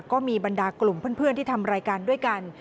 ก็มีบรรดากลุ่มเพื่อนที่ทำรายการด้วยกัน